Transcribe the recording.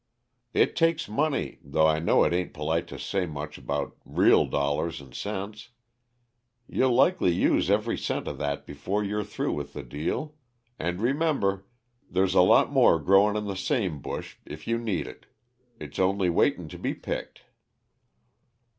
It takes money, though I know it ain't polite to say much about real dollars 'n' cents. You'll likely use every cent of that before you're through with the deal and remember, there's a lot more growin' on the same bush, if you need it. It's only waitin' to be picked."